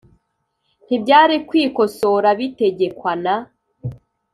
ntibyari kwikosora bitegekwa na